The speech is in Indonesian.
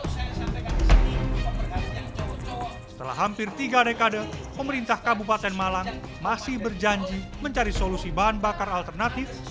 setelah hampir tiga dekade pemerintah kabupaten malang masih berjanji mencari solusi bahan bakar alternatif